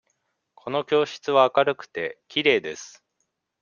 この教室は明るくて、きれいです。